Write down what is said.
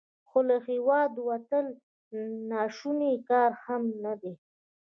خو له هیواده وتل ناشوني کار هم نه دی.